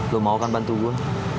lo mau kan bantu gue